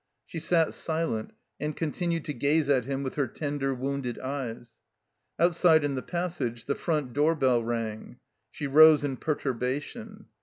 She sat silent and continued to gaze at him with her tender, wounded eyes. Outside in the passage the front door bell rang. She rose in perturbation.